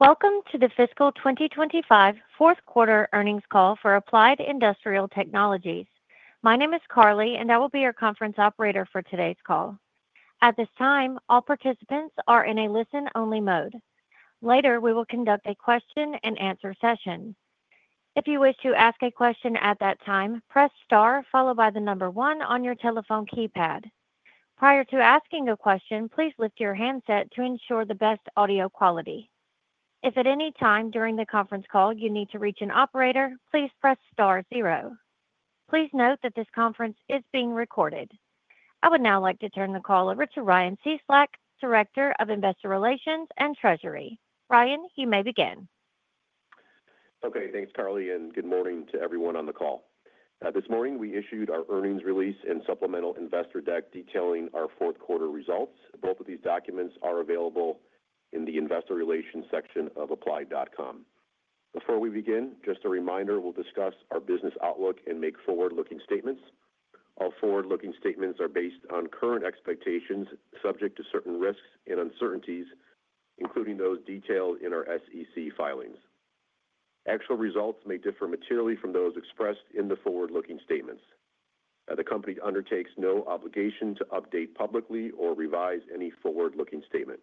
Welcome to the fiscal 2025 fourth quarter earnings call for Applied Industrial Technologies. My name is Carly, and I will be your conference operator for today's call. At this time, all participants are in a listen-only mode. Later, we will conduct a question and answer session. If you wish to ask a question at that time, press star followed by the number one on your telephone keypad. Prior to asking a question, please lift your handset to ensure the best audio quality. If at any time during the conference call you need to reach an operator, please press star zero. Please note that this conference is being recorded. I would now like to turn the call to Ryan Cieslak, Director of Investor Relations and Treasury. Ryan, you may begin. Okay, thanks, Carly, and good morning to everyone on the call. This morning, we issued our earnings release and supplemental investor deck detailing our fourth quarter results. Both of these documents are available in the Investor Relations section of applied.com. Before we begin, just a reminder, we'll discuss our business outlook and make forward-looking statements. Our forward-looking statements are based on current expectations subject to certain risks and uncertainties, including those detailed in our SEC filings. Actual results may differ materially from those expressed in the forward-looking statements. The company undertakes no obligation to update publicly or revise any forward-looking statement.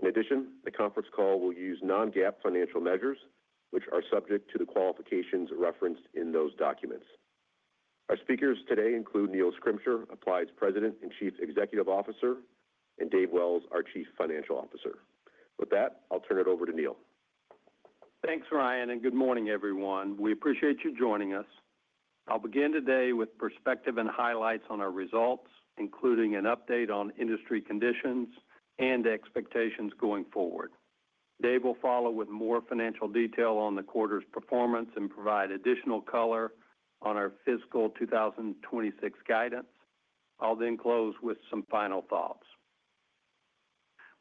In addition, the conference call will use non-GAAP financial measures, which are subject to the qualifications referenced in those documents. Our speakers today include Neil Schrimsher, Applied's President and Chief Executive Officer, and Dave Wells, our Chief Financial Officer. With that, I'll turn it over to Neil. Thanks, Ryan, and good morning, everyone. We appreciate you joining us. I'll begin today with perspective and highlights on our results, including an update on industry conditions and expectations going forward. Dave will follow with more financial detail on the quarter's performance and provide additional color on our fiscal 2026 guidance. I'll then close with some final thoughts.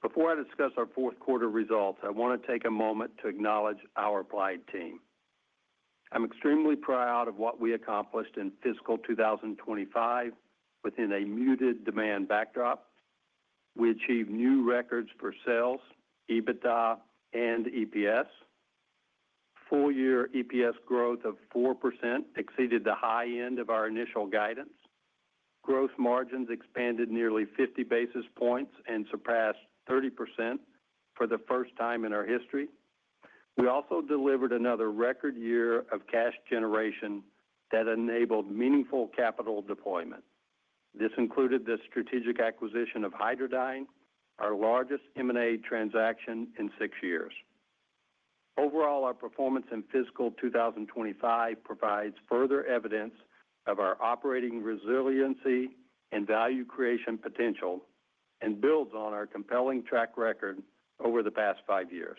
Before I discuss our fourth quarter results, I want to take a moment to acknowledge our Applied team. I'm extremely proud of what we accomplished in fiscal 2025 within a muted demand backdrop. We achieved new records for sales, EBITDA, and EPS. Full-year EPS growth of 4% exceeded the high end of our initial guidance. Gross margins expanded nearly 50 basis points and surpassed 30% for the first time in our history. We also delivered another record year of cash generation that enabled meaningful capital deployment. This included the strategic acquisition of Hydradyne, our largest M&A transaction in six years. Overall, our performance in fiscal 2025 provides further evidence of our operating resiliency and value creation potential and builds on our compelling track record over the past five years.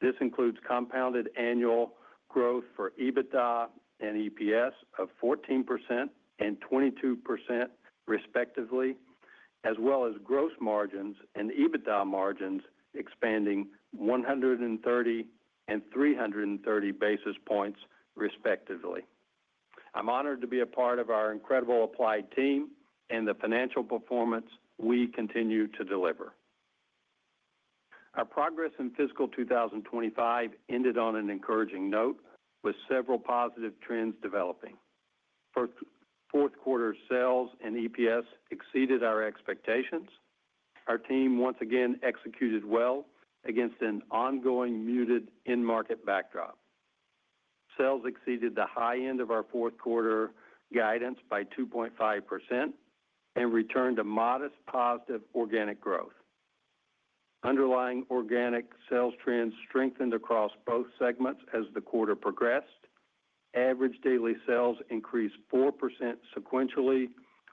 This includes compounded annual growth for EBITDA and EPS of 14% and 22% respectively, as well as gross margins and EBITDA margins expanding 130 basis points and 330 basis points respectively. I'm honored to be a part of our incredible Applied team and the financial performance we continue to deliver. Our progress in fiscal 2025 ended on an encouraging note with several positive trends developing. For fourth quarter sales and EPS exceeded our expectations. Our team once again executed well against an ongoing muted in-market backdrop. Sales exceeded the high end of our fourth quarter guidance by 2.5% and returned a modest positive organic growth. Underlying organic sales trends strengthened across both segments as the quarter progressed. Average daily sales increased 4% sequentially,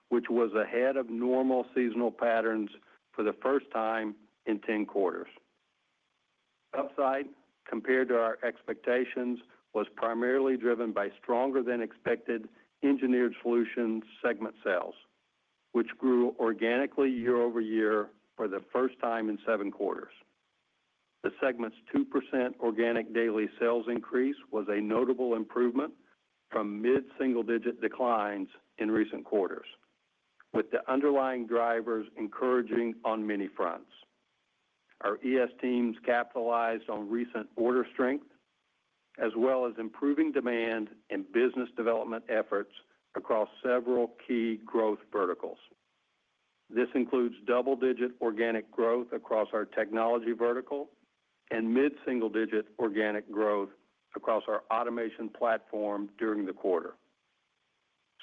which was ahead of normal seasonal patterns for the first time in 10 quarters. Upside compared to our expectations was primarily driven by stronger-than-expected Engineered Solutions segment sales, which grew organically year-over-year for the first time in seven quarters. The segment's 2% organic daily sales increase was a notable improvement from mid-single-digit declines in recent quarters, with the underlying drivers encouraging on many fronts. Our ES teams capitalized on recent order strength, as well as improving demand and business development efforts across several key growth verticals. This includes double-digit organic growth across our technology vertical and mid-single-digit organic growth across our Automation platform during the quarter.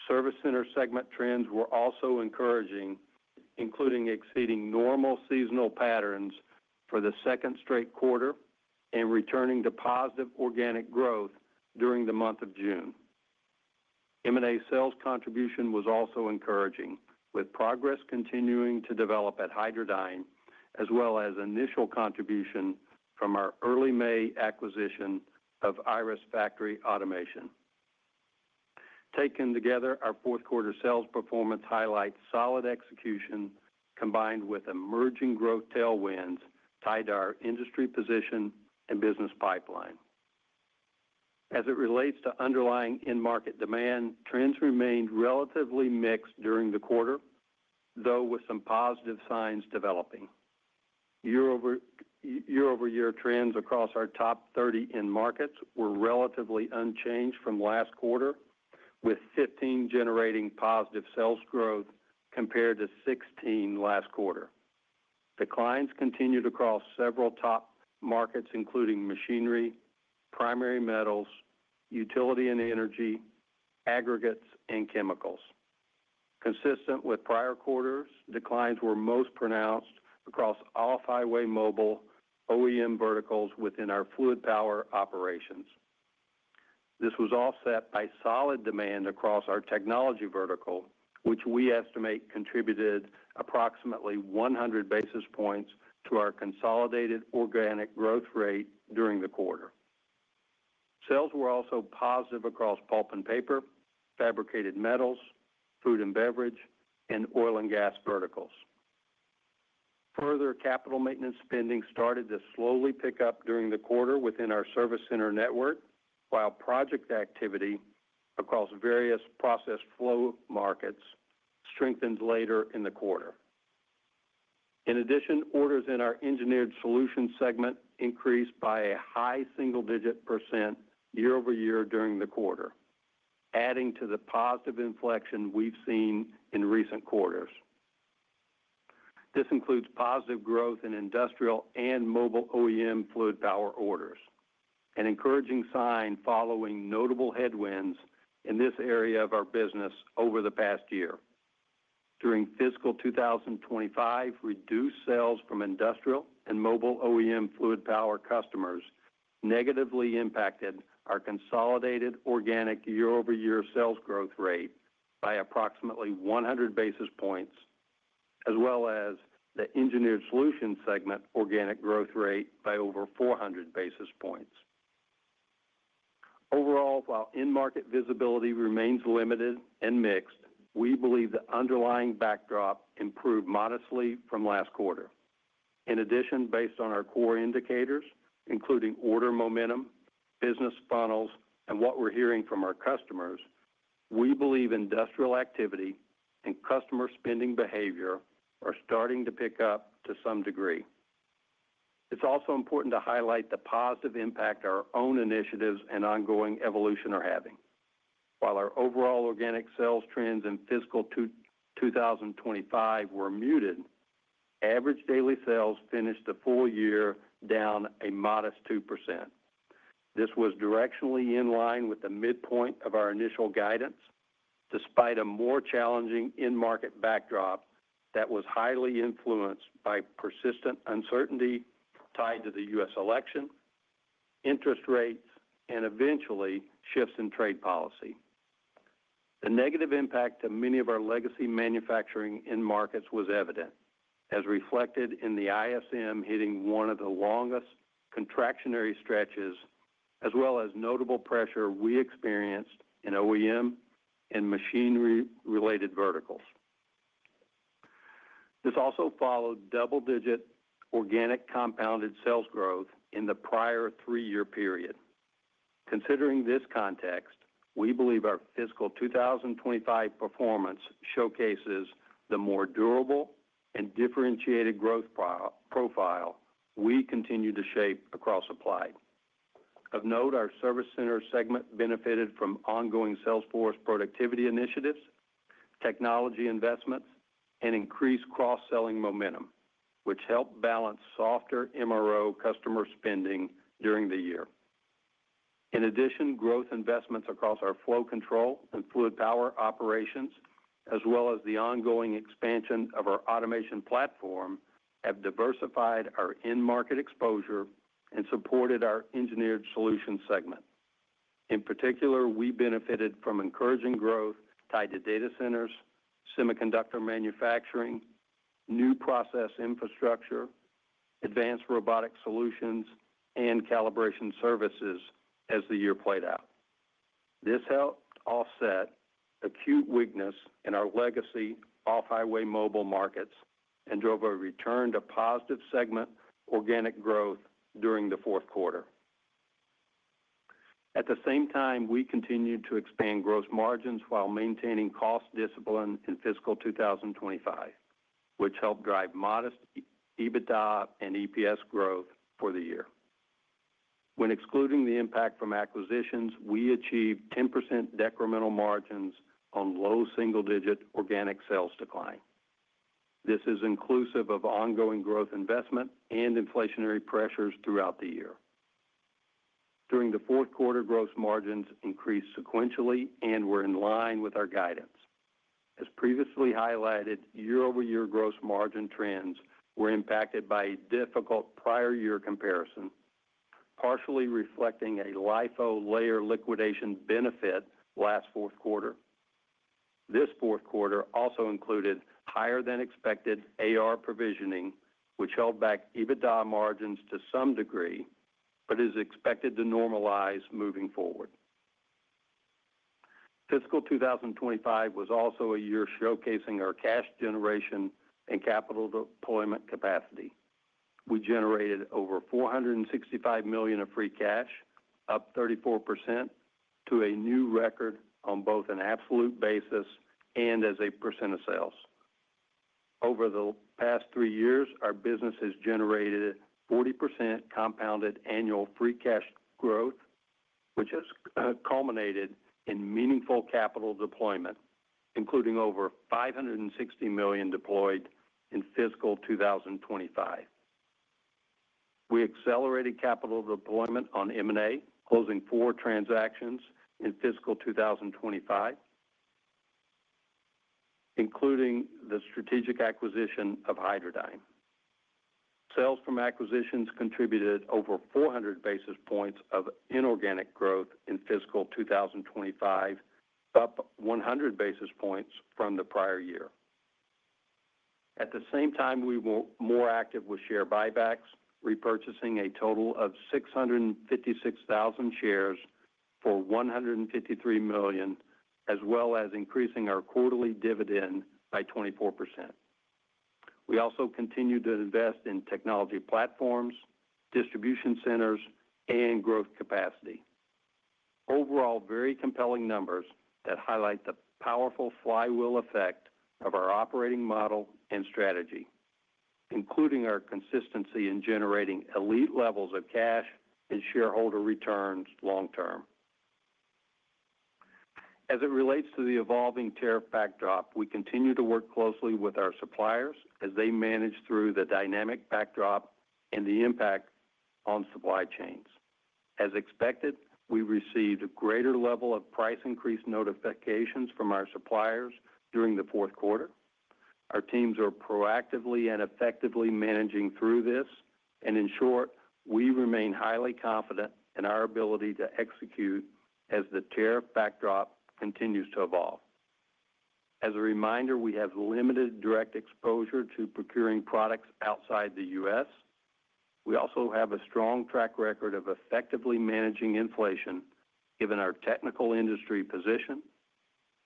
Service Center segment trends were also encouraging, including exceeding normal seasonal patterns for the second straight quarter and returning to positive organic growth during the month of June. M&A sales contribution was also encouraging, with progress continuing to develop at Hydradyne, as well as initial contribution from our early May acquisition of IRIS Factory Automation. Taken together, our fourth quarter sales performance highlights solid execution combined with emerging growth tailwinds tied to our industry position and business pipeline. As it relates to underlying in-market demand, trends remained relatively mixed during the quarter, though with some positive signs developing. Year-over-year trends across our top 30 in-markets were relatively unchanged from last quarter, with 15 generating positive sales growth compared to 16 last quarter. Declines continued across several top markets, including machinery, primary metals, utility and energy, aggregates, and chemicals. Consistent with prior quarters, declines were most pronounced across off-highway mobile OEM verticals within our fluid power operations. This was offset by solid demand across our technology vertical, which we estimate contributed approximately 100 basis points to our consolidated organic growth rate during the quarter. Sales were also positive across pulp and paper, fabricated metals, food and beverage, and oil and gas verticals. Further capital maintenance spending started to slowly pick up during the quarter within our Service Center network, while project activity across various process flow markets strengthened later in the quarter. In addition, orders in our Engineered Solutions segment increased by a high single-digit percent year-over-year during the quarter, adding to the positive inflection we've seen in recent quarters. This includes positive growth in industrial and mobile OEM fluid power orders, an encouraging sign following notable headwinds in this area of our business over the past year. During fiscal 2025, reduced sales from industrial and mobile fluid power OEM customers negatively impacted our consolidated organic year-over-year sales growth rate by approximately 100 basis points, as well as the Engineered Solutions segment organic growth rate by over 400 basis points. Overall, while in-market visibility remains limited and mixed, we believe the underlying backdrop improved modestly from last quarter. In addition, based on our core indicators, including order momentum, business funnels, and what we're hearing from our customers, we believe industrial activity and customer spending behavior are starting to pick up to some degree. It's also important to highlight the positive impact our own initiatives and ongoing evolution are having. While our overall organic sales trends in fiscal 2025 were muted, average daily sales finished the full year down a modest 2%. This was directionally in line with the midpoint of our initial guidance, despite a more challenging in-market backdrop that was highly influenced by persistent uncertainty tied to the U.S. election, interest rates, and eventually shifts in trade policy. The negative impact to many of our legacy manufacturing in-markets was evident, as reflected in the ISM hitting one of the longest contractionary stretches, as well as notable pressure we experienced in OEM and machinery-related verticals. This also followed double-digit organic compounded sales growth in the prior three-year period. Considering this context, we believe our fiscal 2025 performance showcases the more durable and differentiated growth profile we continue to shape across Applied Industrial Technologies. Of note, our Service Center segment benefited from ongoing Salesforce productivity initiatives, technology investments, and increased cross-selling momentum, which helped balance softer MRO customer spending during the year. In addition, growth investments across our flow control and fluid power operations, as well as the ongoing expansion of our Automation platform, have diversified our in-market exposure and supported our Engineered Solutions segment. In particular, we benefited from encouraging growth tied to data centers, semiconductor manufacturing, new process infrastructure, advanced robotic solutions, and calibration services as the year played out. This helped offset acute weakness in our legacy off-highway mobile markets and drove a return to positive segment organic growth during the fourth quarter. At the same time, we continued to expand gross margins while maintaining cost discipline in fiscal 2025, which helped drive modest EBITDA and EPS growth for the year. When excluding the impact from acquisitions, we achieved 10% decremental margins on low single-digit organic sales decline. This is inclusive of ongoing growth investment and inflationary pressures throughout the year. During the fourth quarter, gross margins increased sequentially and were in line with our guidance. As previously highlighted, year-over-year gross margin trends were impacted by a difficult prior year comparison, partially reflecting a LIFO layer liquidation benefit last fourth quarter. This fourth quarter also included higher-than-expected AR provisioning, which held back EBITDA margins to some degree, but is expected to normalize moving forward. Fiscal 2025 was also a year showcasing our cash generation and capital deployment capacity. We generated over $465 million of free cash, up 34% to a new record on both an absolute basis and as a percent of sales. Over the past three years, our business has generated 40% compounded annual free cash growth, which has culminated in meaningful capital deployment, including over $560 million deployed in fiscal 2025. We accelerated capital deployment on M&A, closing four transactions in fiscal 2025, including the strategic acquisition of Hydradyne. Sales from acquisitions contributed over 400 basis points of inorganic growth in fiscal 2025, up 100 basis points from the prior year. At the same time, we were more active with share buybacks, repurchasing a total of 656,000 shares for $153 million, as well as increasing our quarterly dividend by 24%. We also continued to invest in technology platforms, distribution centers, and growth capacity. Overall, very compelling numbers that highlight the powerful flywheel effect of our operating model and strategy, including our consistency in generating elite levels of cash and shareholder returns long term. As it relates to the evolving tariff backdrop, we continue to work closely with our suppliers as they manage through the dynamic backdrop and the impact on supply chains. As expected, we received a greater level of price increase notifications from our suppliers during the fourth quarter. Our teams are proactively and effectively managing through this, and in short, we remain highly confident in our ability to execute as the tariff backdrop continues to evolve. As a reminder, we have limited direct exposure to procuring products outside the U.S. We also have a strong track record of effectively managing inflation given our technical industry position,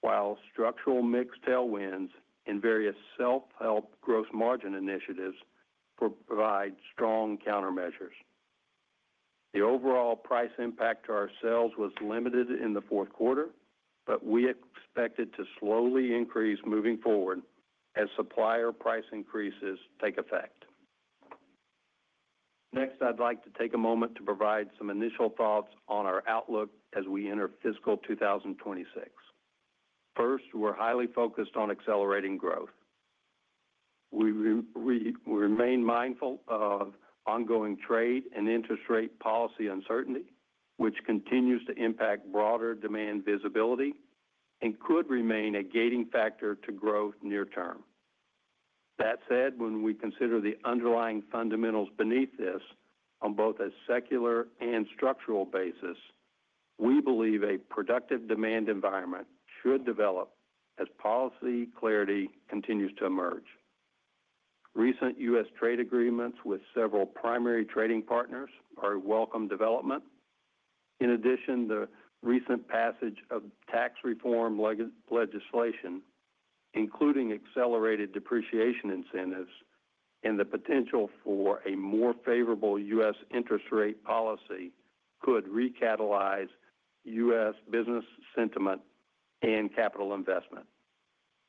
while structural mixed tailwinds and various self-help gross margin initiatives provide strong countermeasures. The overall price impact to our sales was limited in the fourth quarter, but we expect it to slowly increase moving forward as supplier price increases take effect. Next, I'd like to take a moment to provide some initial thoughts on our outlook as we enter fiscal 2026. First, we're highly focused on accelerating growth. We remain mindful of ongoing trade and interest rate policy uncertainty, which continues to impact broader demand visibility and could remain a gating factor to growth near term. That said, when we consider the underlying fundamentals beneath this on both a secular and structural basis, we believe a productive demand environment should develop as policy clarity continues to emerge. Recent U.S. trade agreements with several primary trading partners are a welcome development. In addition, the recent passage of tax reform legislation, including accelerated depreciation incentives and the potential for a more favorable U.S. interest rate policy, could recatalyze U.S. business sentiment and capital investment.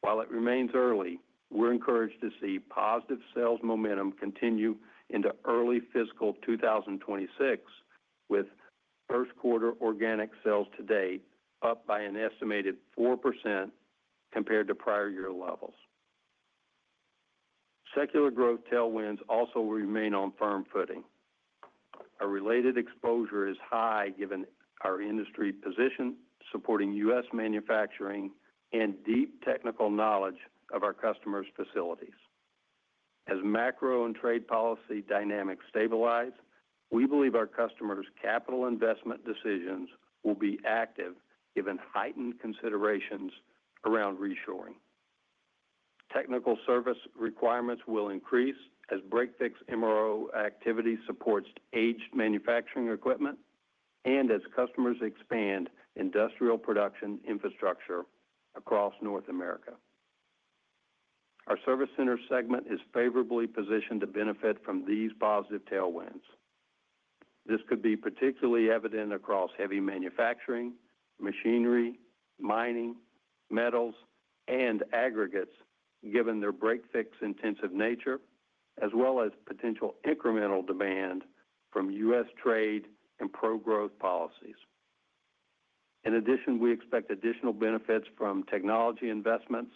While it remains early, we're encouraged to see positive sales momentum continue into early fiscal 2026, with first quarter organic sales today up by an estimated 4% compared to prior year levels. Secular growth tailwinds also remain on firm footing. Our related exposure is high given our industry position, supporting U.S. manufacturing, and deep technical knowledge of our customers' facilities. As macro and trade policy dynamics stabilize, we believe our customers' capital investment decisions will be active given heightened considerations around reshoring. Technical service requirements will increase as break-fix MRO activity supports aged manufacturing equipment and as customers expand industrial production infrastructure across North America. Our Service Center segment is favorably positioned to benefit from these positive tailwinds. This could be particularly evident across heavy manufacturing, machinery, mining, metals, and aggregates, given their break-fix intensive nature, as well as potential incremental demand from U.S. trade and pro-growth policies. In addition, we expect additional benefits from technology investments,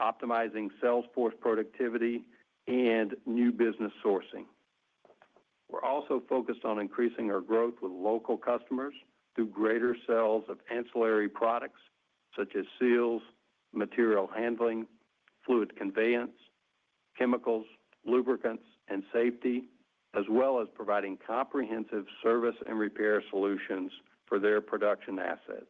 optimizing Salesforce productivity, and new business sourcing. We're also focused on increasing our growth with local customers through greater sales of ancillary products such as seals, material handling, fluid conveyance, chemicals, lubricants, and safety, as well as providing comprehensive service and repair solutions for their production assets.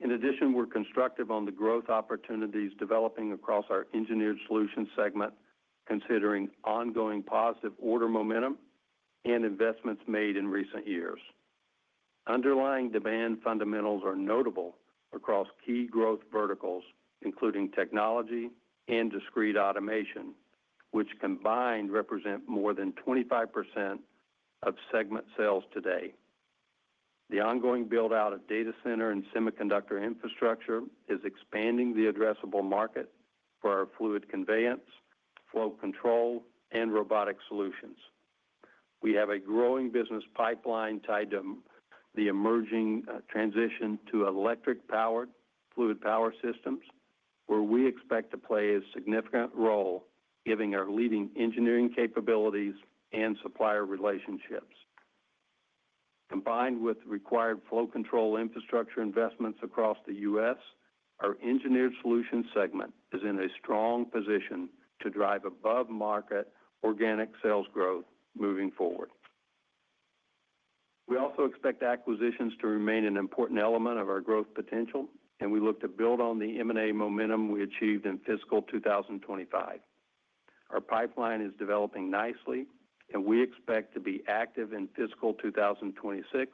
In addition, we're constructive on the growth opportunities developing across our Engineered Solutions segment, considering ongoing positive order momentum and investments made in recent years. Underlying demand fundamentals are notable across key growth verticals, including technology and discrete automation, which combined represent more than 25% of segment sales today. The ongoing build-out of data center and semiconductor infrastructure is expanding the addressable market for our fluid conveyance, flow control, and robotic solutions. We have a growing business pipeline tied to the emerging transition to electric-powered fluid power systems, where we expect to play a significant role, given our leading engineering capabilities and supplier relationships. Combined with required flow control infrastructure investments across the U.S., our Engineered Solutions segment is in a strong position to drive above-market organic sales growth moving forward. We also expect acquisitions to remain an important element of our growth potential, and we look to build on the M&A momentum we achieved in fiscal 2025. Our pipeline is developing nicely, and we expect to be active in fiscal 2026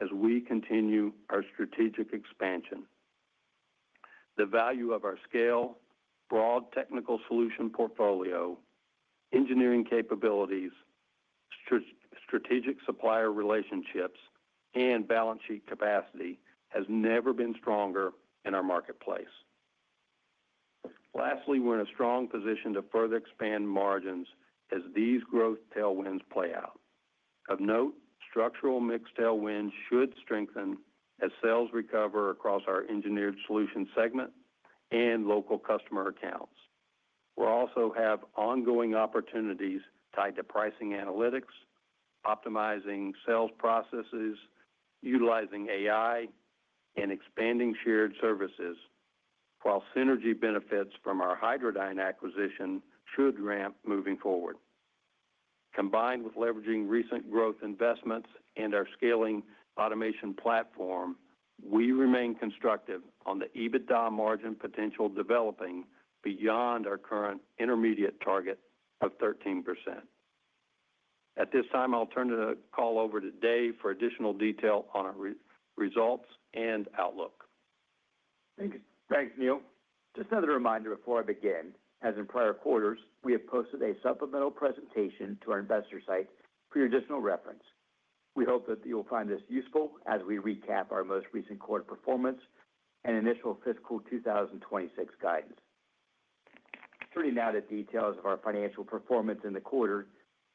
as we continue our strategic expansion. The value of our scale, broad technical solution portfolio, engineering capabilities, strategic supplier relationships, and balance sheet capacity has never been stronger in our marketplace. Lastly, we're in a strong position to further expand margins as these growth tailwinds play out. Of note, structural mixed tailwinds should strengthen as sales recover across our Engineered Solutions segment and local customer accounts. We'll also have ongoing opportunities tied to pricing analytics, optimizing sales processes, utilizing AI, and expanding shared services, while synergy benefits from our Hydradyne acquisition should ramp moving forward. Combined with leveraging recent growth investments and our scaling Automation platform, we remain constructive on the EBITDA margin potential developing beyond our current intermediate target of 13%. At this time, I'll turn the call over to Dave for additional detail on our results and outlook. Thanks, Neil. Just another reminder before I begin, as in prior quarters, we have posted a supplemental presentation to our investor site for your additional reference. We hope that you will find this useful as we recap our most recent quarter performance and initial fiscal 2026 guidance. Turning now to details of our financial performance in the quarter,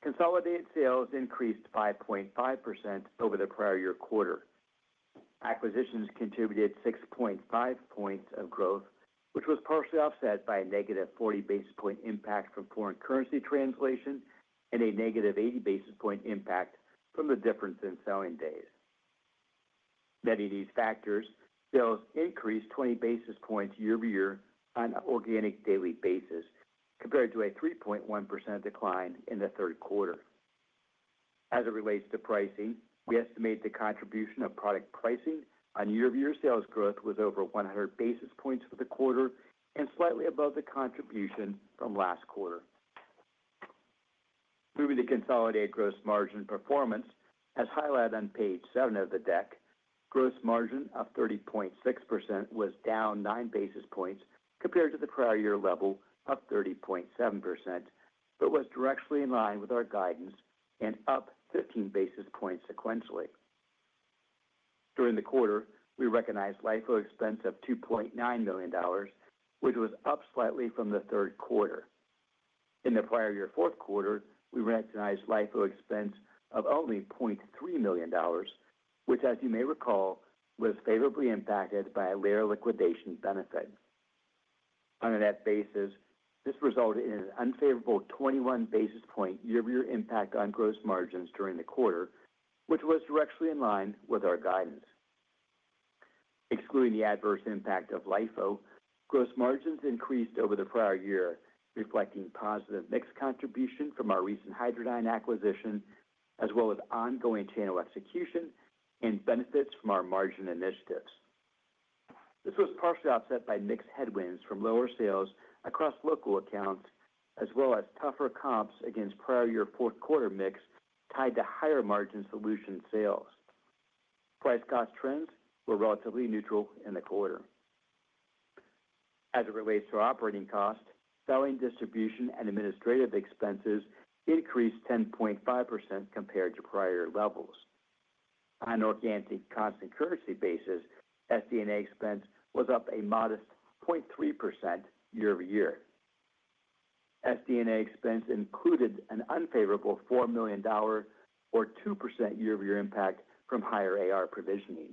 consolidated sales increased 5.5% over the prior year quarter. Acquisitions contributed 6.5 points of growth, which was partially offset by a -40 basis point impact from foreign currency translation and a -80 basis point impact from the difference in selling days. Many of these factors increased 20 basis points year-over-year on an organic daily basis compared to a 3.1% decline in the third quarter. As it relates to pricing, we estimate the contribution of product pricing on year-over-year sales growth was over 100 basis points for the quarter and slightly above the contribution from last quarter. Moving to consolidated gross margin performance, as highlighted on page seven of the deck, gross margin of 30.6% was down 9 basis points compared to the prior year level of 30.7%, but was directly in line with our guidance and up 15 basis points sequentially. During the quarter, we recognized LIFO expense of $2.9 million, which was up slightly from the third quarter. In the prior year fourth quarter, we recognized LIFO expense of only $0.3 million, which, as you may recall, was favorably impacted by a layer liquidation benefit. On an F basis, this resulted in an unfavorable 21 basis point year-over-year impact on gross margins during the quarter, which was directly in line with our guidance. Excluding the adverse impact of LIFO, gross margins increased over the prior year, reflecting positive mix contribution from our recent Hydradyne acquisition, as well as ongoing channel execution and benefits from our margin initiatives. This was partially offset by mix headwinds from lower sales across local accounts, as well as tougher comps against prior year fourth quarter mix tied to higher margin solution sales. Price cost trends were relatively neutral in the quarter. As it relates to our operating cost, selling, distribution, and administrative expenses increased 10.5% compared to prior levels. On an organic and constant currency basis, SD&A expense was up a modest 0.3% year-over-year. SD&A expense included an unfavorable $4 million or 2% year-over-year impact from higher AR provisioning.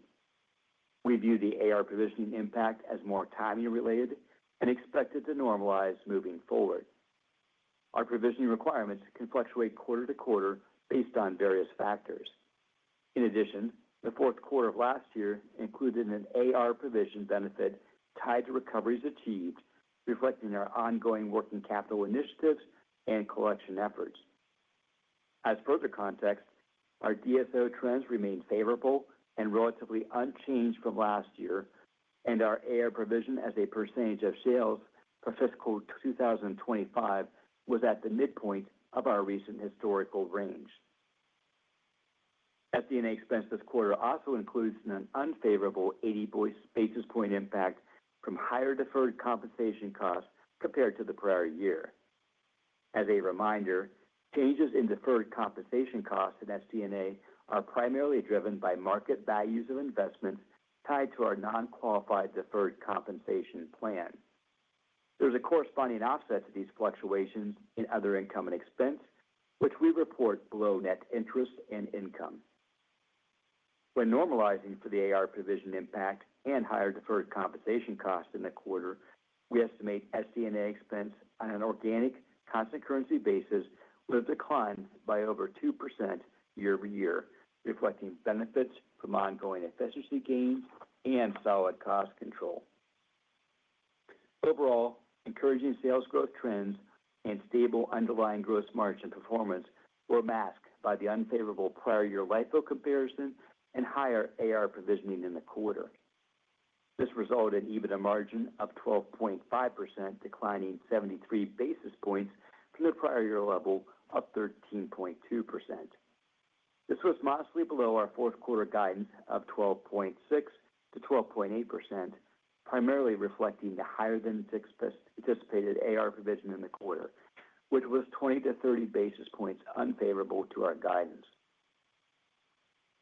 We view the AR provisioning impact as more timing-related and expected to normalize moving forward. Our provisioning requirements can fluctuate quarter to quarter based on various factors. In addition, the fourth quarter of last year included an AR provision benefit tied to recoveries achieved, reflecting our ongoing working capital initiatives and collection efforts. As per the context, our DSO trends remain favorable and relatively unchanged from last year, and our AR provision as a percentage of sales for fiscal 2025 was at the midpoint of our recent historical range. SD&A expense this quarter also includes an unfavorable 80 basis point impact from higher deferred compensation costs compared to the prior year. As a reminder, changes in deferred compensation costs in SD&A are primarily driven by market values of investments tied to our non-qualified deferred compensation plan. There is a corresponding offset to these fluctuations in other income and expense, which we report below net interest and income. When normalizing for the AR provision impact and higher deferred compensation costs in the quarter, we estimate SD&A expense on an organic constant currency basis will decline by over 2% year-over-year, reflecting benefits from ongoing efficiency gains and solid cost control. Overall, encouraging sales growth trends and stable underlying gross margin performance were masked by the unfavorable prior year LIFO comparison and higher AR provisioning in the quarter. This resulted in EBITDA margin of 12.5%, declining 73 basis points from the prior year level of 13.2%. This was modestly below our fourth quarter guidance of 12.6%-12.8%, primarily reflecting the higher than anticipated AR provision in the quarter, which was 20 basis points-30 basis points unfavorable to our guidance.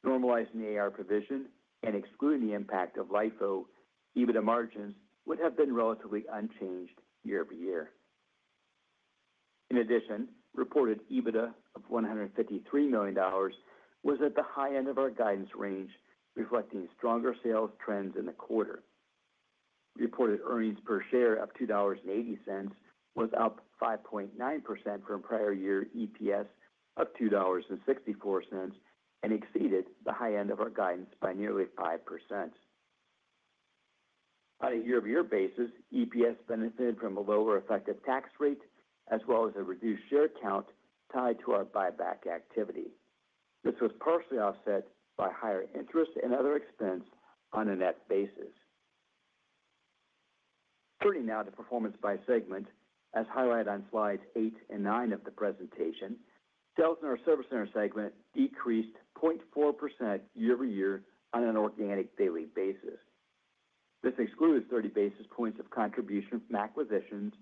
Normalizing the AR provision and excluding the impact of LIFO, EBITDA margins would have been relatively unchanged year-over-year. In addition, reported EBITDA of $153 million was at the high end of our guidance range, reflecting stronger sales trends in the quarter. Reported earnings per share of $2.80 was up 5.9% from prior year EPS of $2.64 and exceeded the high end of our guidance by nearly 5%. On a year-over-year basis, EPS benefited from a lower effective tax rate, as well as a reduced share count tied to our buyback activity. This was partially offset by higher interest and other expense on a net basis. Turning now to performance by segment, as highlighted on slides eight and nine of the presentation, sales in our Service Center segment decreased 0.4% year-over-year on an organic daily basis. This excludes 30 basis points of contribution from acquisitions,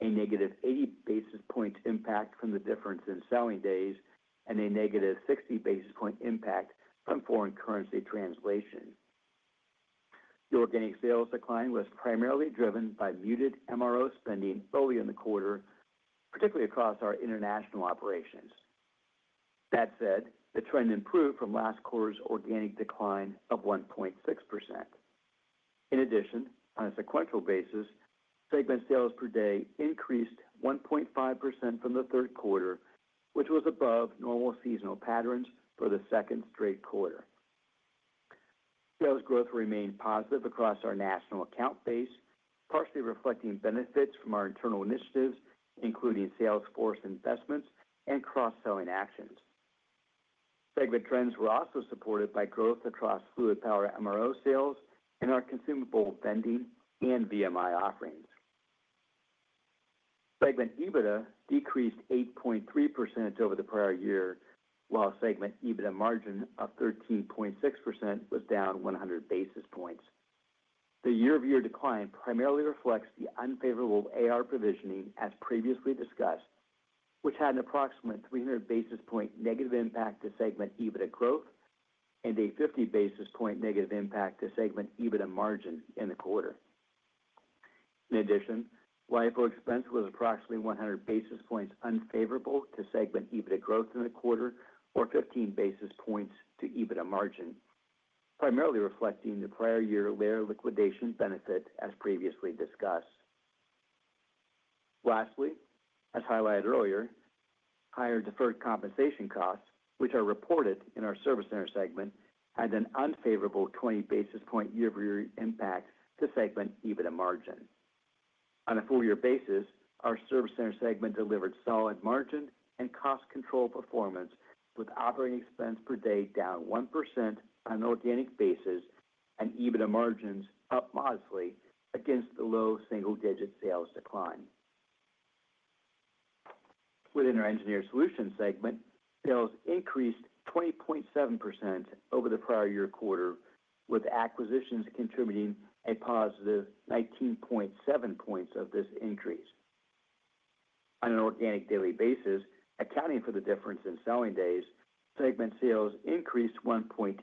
a -80 basis point impact from the difference in selling days, and a -60 basis point impact on foreign currency translation. The organic sales decline was primarily driven by muted MRO spending early in the quarter, particularly across our international operations. That said, the trend improved from last quarter's organic decline of 1.6%. In addition, on a sequential basis, segment sales per day increased 1.5% from the third quarter, which was above normal seasonal patterns for the second straight quarter. Sales growth remained positive across our national account base, partially reflecting benefits from our internal initiatives, including Salesforce investments and cross-selling actions. Segment trends were also supported by growth across fluid power MRO sales and our consumable vending and VMI offerings. Segment EBITDA decreased 8.3% over the prior year, while segment EBITDA margin of 13.6% was down 100 basis points. The year-over-year decline primarily reflects the unfavorable AR provisioning as previously discussed, which had an approximate 300 basis point negative impact to segment EBITDA growth and a 50 basis point negative impact to segment EBITDA margin in the quarter. In addition, LIFO expense was approximately 100 basis points unfavorable to segment EBITDA growth in the quarter or 15 basis points to EBITDA margin, primarily reflecting the prior year layer liquidation benefit as previously discussed. Lastly, as highlighted earlier, higher deferred compensation costs, which are reported in our Service Center segment, had an unfavorable 20 basis point year-over-year impact to segment EBITDA margin. On a four-year basis, our Service Center segment delivered solid margin and cost control performance, with operating expense per day down 1% on an organic basis and EBITDA margins up modestly against the low single-digit sales decline. Within our Engineered Solutions segment, sales increased 20.7% over the prior year quarter, with acquisitions contributing a +19.7 points of this increase. On an organic daily basis, accounting for the difference in selling days, segment sales increased 1.8%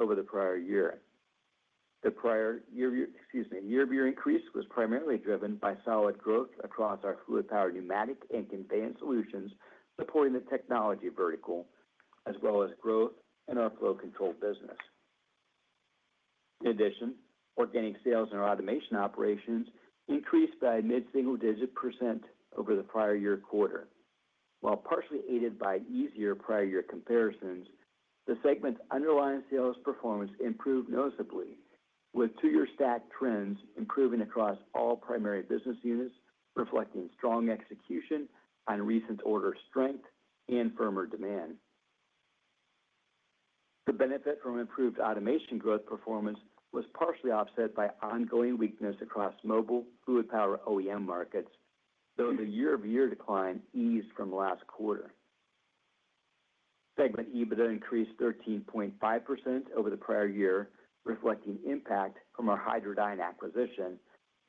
over the prior year. The prior year, year-over-year increase was primarily driven by solid growth across our fluid power pneumatic and conveyance solutions, supporting the technology vertical, as well as growth in our flow control business. In addition, organic sales in our automation operations increased by a mid-single-digit percent over the prior year quarter. While partially aided by easier prior year comparisons, the segment's underlying sales performance improved noticeably, with two-year stack trends improving across all primary business units, reflecting strong execution on recent order strength and firmer demand. The benefit from improved automation growth performance was partially offset by ongoing weakness across mobile fluid power OEM markets, though the year-over-year decline eased from the last quarter. Segment EBITDA increased 13.5% over the prior year, reflecting impact from our Hydradyne acquisition,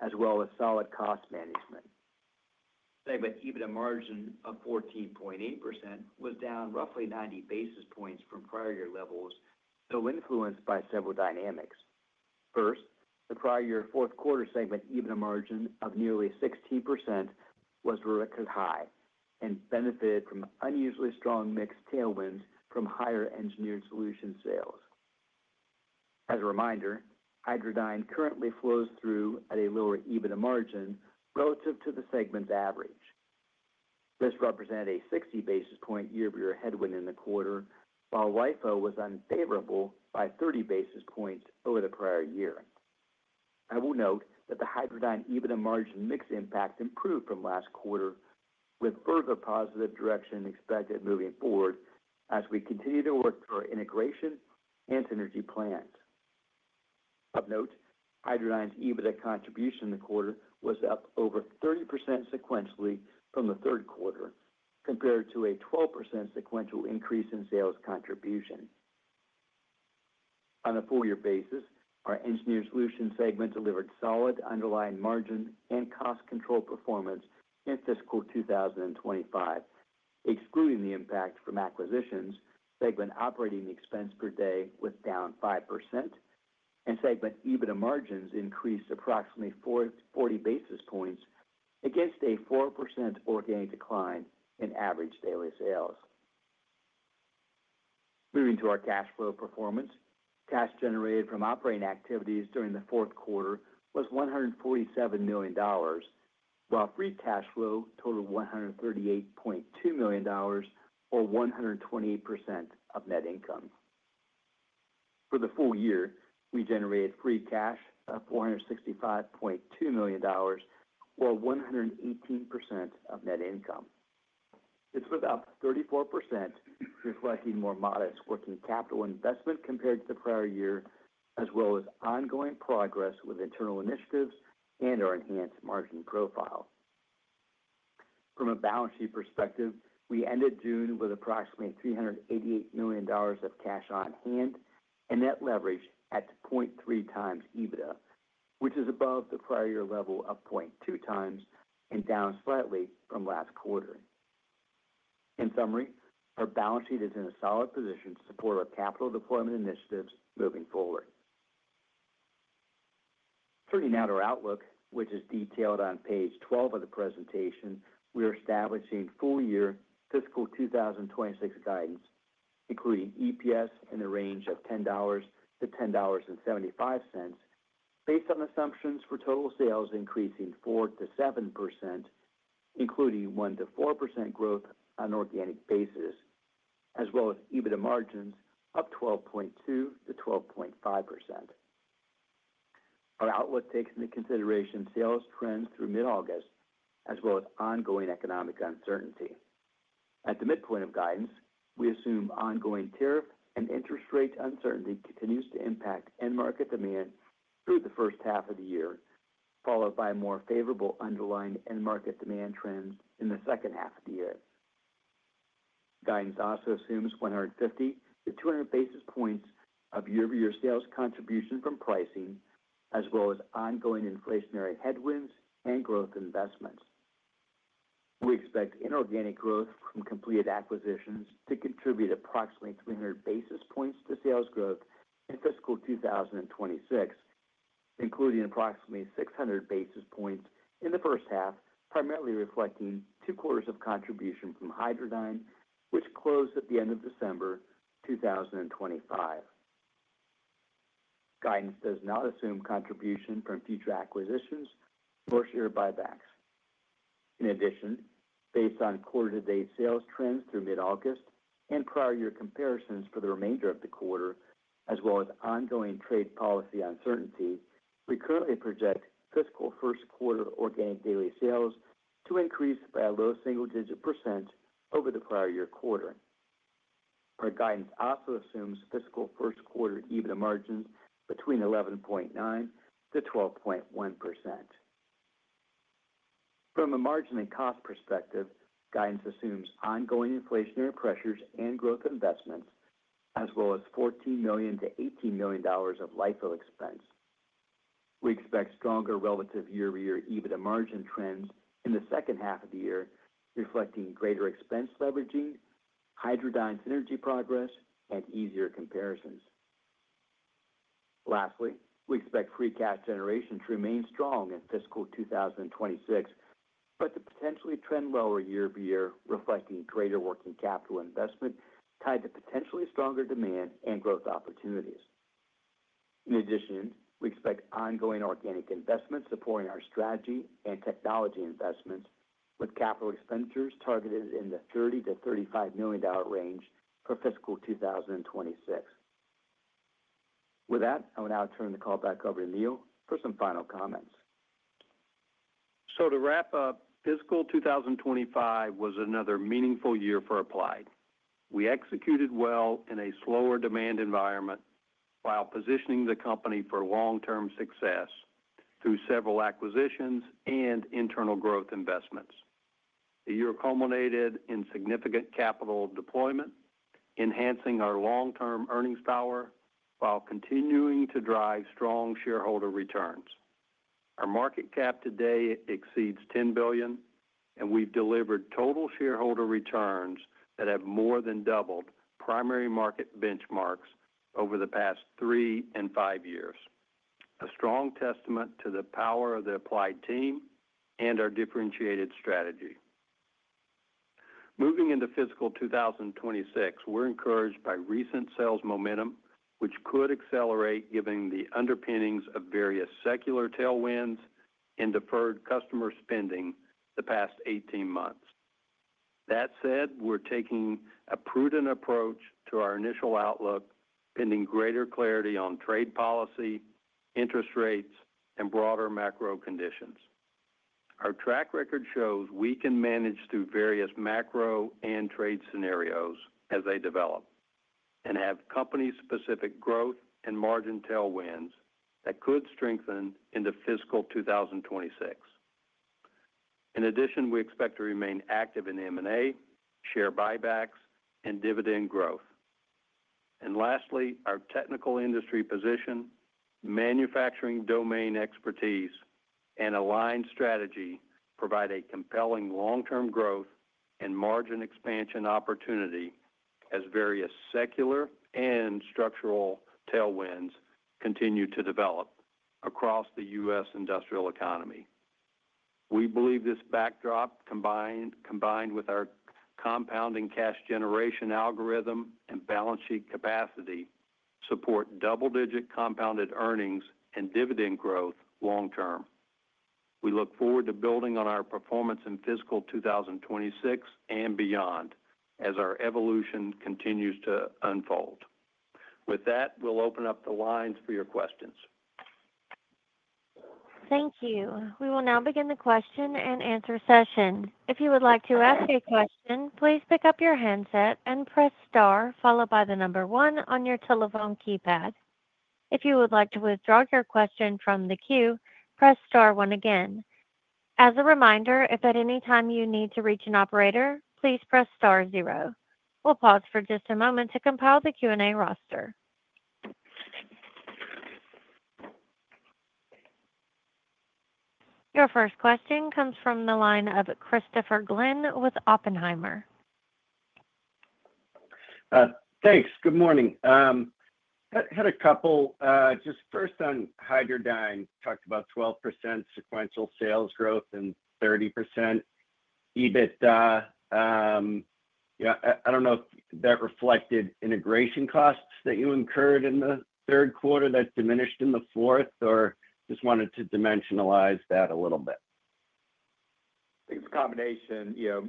as well as solid cost management. Segment EBITDA margin of 14.8% was down roughly 90 basis points from prior year levels, though influenced by several dynamics. First, the prior year fourth quarter segment EBITDA margin of nearly 16% was record high and benefited from unusually strong mixed tailwinds from higher engineered solution sales. As a reminder, Hydradyne currently flows through at a lower EBITDA margin relative to the segment's average. This represented a 60 basis point year-over-year headwind in the quarter, while LIFO was unfavorable by 30 basis points over the prior year. I will note that the Hydradyne EBITDA margin mix impact improved from last quarter, with further positive direction expected moving forward as we continue to work through our integration and synergy plans. Of note, Hydradyne's EBITDA contribution in the quarter was up over 30% sequentially from the third quarter, compared to a 12% sequential increase in sales contribution. On a four-year basis, our Engineered Solutions segment delivered solid underlying margin and cost control performance in fiscal 2025. Excluding the impact from acquisitions, segment operating expense per day was down 5%, and segment EBITDA margins increased approximately 40 basis points against a 4% organic decline in average daily sales. Moving to our cash flow performance, cash generated from operating activities during the fourth quarter was $147 million, while free cash flow totaled $138.2 million, or 128% of net income. For the full year, we generated free cash of $465.2 million, or 118% of net income. This was up 34%, reflecting more modest working capital investment compared to the prior year, as well as ongoing progress with internal initiatives and our enhanced marketing profile. From a balance sheet perspective, we ended June with approximately $388 million of cash on hand and net leverage at 0.3x EBITDA, which is above the prior year level of 0.2x and down slightly from last quarter. In summary, our balance sheet is in a solid position to support our capital deployment initiatives moving forward. Turning to our outlook, which is detailed on page 12 of the presentation, we are establishing full-year fiscal 2026 guidance, including EPS in the range of $10-$10.75, based on assumptions for total sales increasing 4%-7%, including 1%-4% growth on an organic basis, as well as EBITDA margins up 12.2%-12.5%. Our outlook takes into consideration sales trends through mid-August, as well as ongoing economic uncertainty. At the midpoint of guidance, we assume ongoing tariff and interest rate uncertainty continues to impact end market demand through the first half of the year, followed by more favorable underlying end market demand trends in the second half of the year. Guidance also assumes 150 basis points- 200 basis points of year-over-year sales contribution from pricing, as well as ongoing inflationary headwinds and growth investments. We expect inorganic growth in completed acquisitions to contribute approximately 300 basis points to sales growth in fiscal 2026, including approximately 600 basis points in the first half, primarily reflecting two quarters of contribution from Hydradyne, which closed at the end of December 2025. Guidance does not assume contribution from future acquisitions or share buybacks. In addition, based on quarter-to-date sales trends through mid-August and prior year comparisons for the remainder of the quarter, as well as ongoing trade policy uncertainty, we currently project fiscal first quarter organic daily sales to increase by a low single-digit percent over the prior year quarter. Our guidance also assumes fiscal first quarter EBITDA margins between 11.9%-12.1%. From a margin and cost perspective, guidance assumes ongoing inflationary pressures and growth investments, as well as $14 million-$18 million of LIFO expense. We expect stronger relative year-over-year EBITDA margin trends in the second half of the year, reflecting greater expense leveraging, Hydradyne synergy progress, and easier comparisons. Lastly, we expect free cash generation to remain strong in fiscal 2026, but to potentially trend lower year-over-year, reflecting greater working capital investment tied to potentially stronger demand and growth opportunities. In addition, we expect ongoing organic investments supporting our strategy and technology investments, with capital expenditures targeted in the $30 million-$35 million range for fiscal 2026. With that, I will now turn the call back over to Neil for some final comments. To wrap up, fiscal 2025 was another meaningful year for Applied. We executed well in a slower demand environment while positioning the company for long-term success through several acquisitions and internal growth investments. The year culminated in significant capital deployment, enhancing our long-term earnings power while continuing to drive strong shareholder returns. Our market cap today exceeds $10 billion, and we've delivered total shareholder returns that have more than doubled primary market benchmarks over the past three and five years. This is a strong testament to the power of the Applied team and our differentiated strategy. Moving into fiscal 2026, we're encouraged by recent sales momentum, which could accelerate given the underpinnings of various secular tailwinds and deferred customer spending the past 18 months. That said, we're taking a prudent approach to our initial outlook, pending greater clarity on trade policy, interest rates, and broader macro conditions. Our track record shows we can manage through various macro and trade scenarios as they develop and have company-specific growth and margin tailwinds that could strengthen into fiscal 2026. In addition, we expect to remain active in M&A, share buybacks, and dividend growth. Lastly, our technical industry position, manufacturing domain expertise, and aligned strategy provide a compelling long-term growth and margin expansion opportunity as various secular and structural tailwinds continue to develop across the U.S. industrial economy. We believe this backdrop, combined with our compounding cash generation algorithm and balance sheet capacity, supports double-digit compounded earnings and dividend growth long term. We look forward to building on our performance in fiscal 2026 and beyond as our evolution continues to unfold. With that, we'll open up the lines for your questions. Thank you. We will now begin the question and answer session. If you would like to ask your question, please pick up your handset and press star, followed by the number one on your telephone keypad. If you would like to withdraw your question from the queue, press star one again. As a reminder, if at any time you need to reach an operator, please press star zero. We'll pause for just a moment to compile the Q&A roster. Your first question comes from the line of Christopher Glynn with Oppenheimer. Thanks. Good morning. I had a couple. Just first on Hydradyne, talked about 12% sequential sales growth and 30% EBITDA. I don't know if that reflected integration costs that you incurred in the third quarter that diminished in the fourth, or just wanted to dimensionalize that a little bit. I think it's a combination,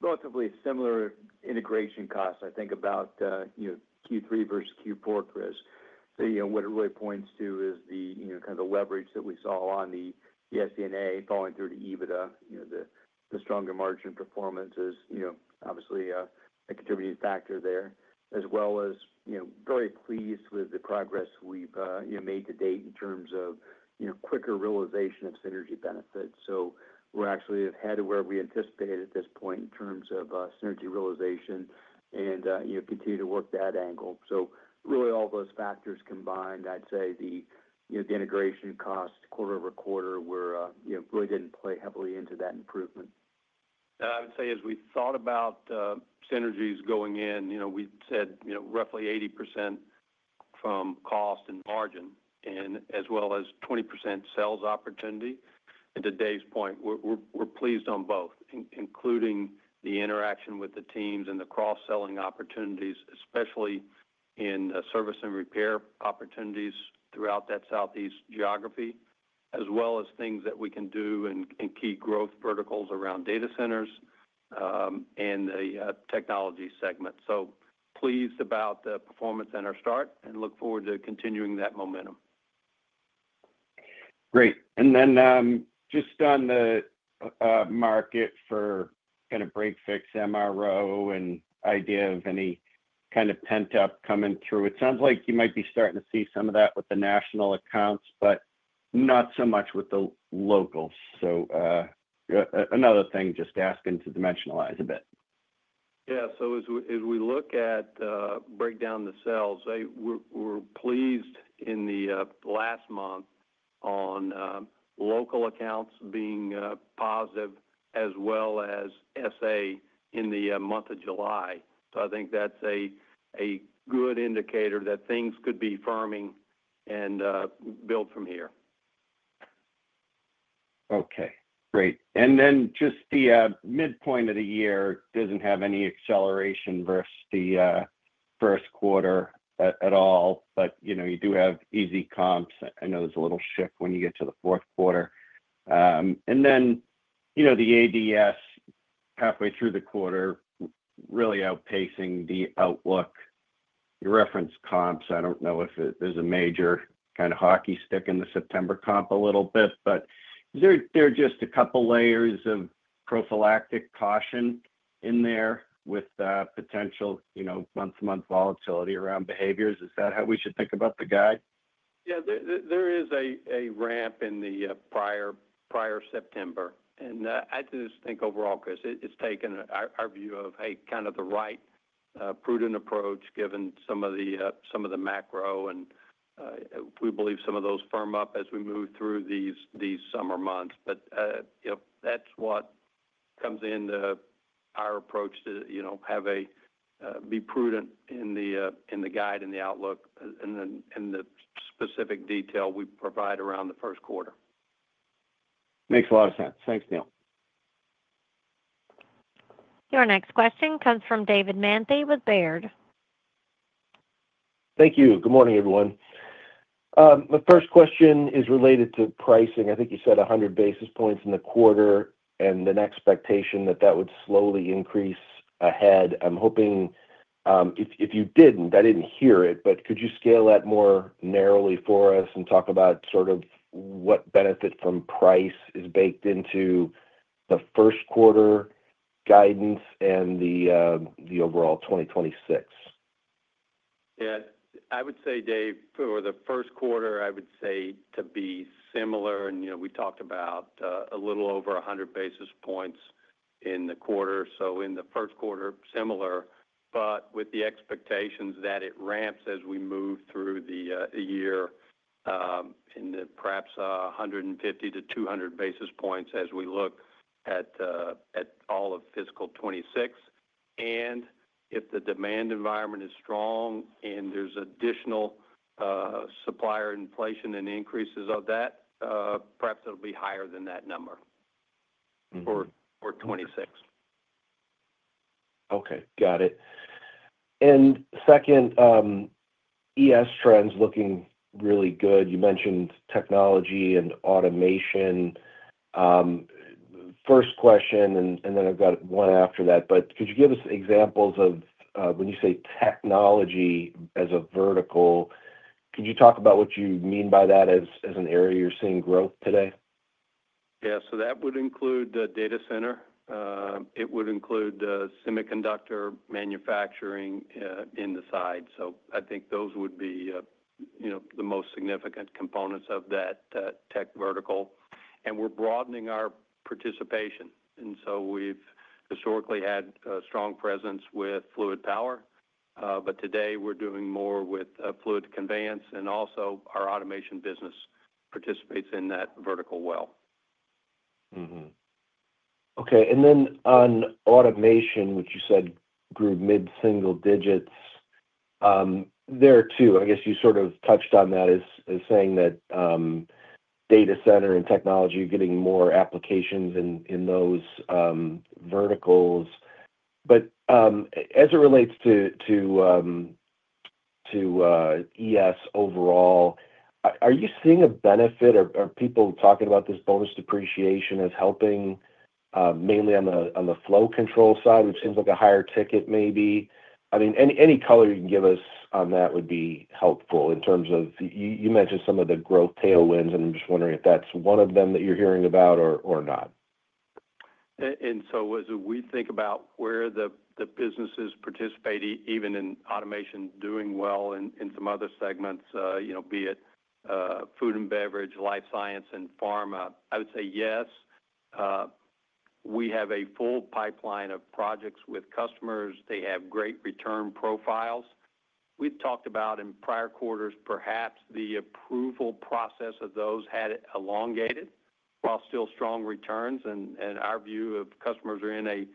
relatively similar integration costs. I think about Q3 versus Q4, Chris. What it really points to is the leverage that we saw on the SD&A falling through the EBITDA. The stronger margin performance is obviously a contributing factor there, as well as very pleased with the progress we've made to date in terms of quicker realization of synergy benefits. We're actually ahead of where we anticipated at this point in terms of synergy realization and continue to work that angle. All those factors combined, I'd say the integration costs quarter over quarter really didn't play heavily into that improvement. I would say as we thought about synergies going in, we said roughly 80% from cost and margin, as well as 20% sales opportunity. To Dave's point, we're pleased on both, including the interaction with the teams and the cross-selling opportunities, especially in service and repair opportunities throughout that southeast geography, as well as things that we can do and keep growth verticals around data centers and the technology segment. Pleased about the performance in our start and look forward to continuing that momentum. Great. Just on the market for kind of break-fix MRO and idea of any kind of pent-up coming through, it sounds like you might be starting to see some of that with the national accounts, but not so much with the locals. Another thing, just asking to dimensionalize a bit. Yeah. As we look at, breakdown the sales, we're pleased in the last month on local accounts being positive, as well as SA in the month of July. I think that's a good indicator that things could be firming and build from here. Okay. Great. The midpoint of the year doesn't have any acceleration versus the first quarter at all, but you do have easy comps. I know there's a little shift when you get to the fourth quarter, and the ADS halfway through the quarter really outpacing the outlook. Your reference comps, I don't know if there's a major kind of hockey stick in the September comp a little bit, but is there just a couple layers of prophylactic caution in there with the potential month-to-month volatility around behaviors? Is that how we should think about the guide? Yeah, there is a ramp in the prior September. I just think overall, Chris, it's taken our view of, hey, kind of the right, prudent approach given some of the macro, and we believe some of those firm up as we move through these summer months. That's what comes into our approach to be prudent in the guide and the outlook and the specific detail we provide around the first quarter. Makes a lot of sense. Thanks, Neil. Your next question comes from David Manthey with Baird. Thank you. Good morning, everyone. My first question is related to pricing. I think you said 100 basis points in the quarter and an expectation that that would slowly increase ahead. I'm hoping, if you didn't, I didn't hear it, but could you scale that more narrowly for us and talk about sort of what benefit from price is baked into the first quarter guidance and the overall 2026? Yeah, I would say, Dave, for the first quarter, I would say to be similar. We talked about a little over 100 basis points in the quarter. In the first quarter, similar, with the expectations that it ramps as we move through the year, in the perhaps 150 basis points-200 basis points as we look at all of fiscal 2026. If the demand environment is strong and there's additional supplier inflation and increases of that, perhaps it'll be higher than that number for 2026. Okay. Got it. ES trends looking really good. You mentioned technology and automation. First question, could you give us examples of, when you say technology as a vertical, could you talk about what you mean by that as an area you're seeing growth today? Yeah. That would include the data center. It would include the semiconductor manufacturing in the side. I think those would be the most significant components of that tech vertical. We're broadening our participation. We've historically had a strong presence with fluid power, but today we're doing more with fluid conveyance, and also our automation business participates in that vertical well. Okay. On automation, which you said grew mid-single digits, you sort of touched on that as saying that data center and technology are getting more applications in those verticals. As it relates to ES overall, are you seeing a benefit? Are people talking about this bonus depreciation as helping, mainly on the flow control side, which seems like a higher ticket maybe? Any color you can give us on that would be helpful in terms of you mentioned some of the growth tailwinds, and I'm just wondering if that's one of them that you're hearing about or not. As we think about where the businesses participate, even in automation doing well in some other segments, you know, be it food and beverage, life science, and pharma, I would say yes. We have a full pipeline of projects with customers. They have great return profiles. We've talked about in prior quarters, perhaps the approval process of those had elongated while still strong returns, and our view of customers are in a